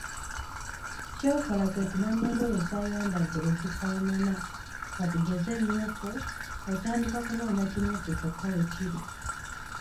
ky’okola kwekumanya engoye z’ayambadde bwe zifaanana, katugeze myufu, otandika kunoonya kimyufu kyokka weekiri.